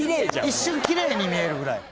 一瞬奇麗に見えるぐらい。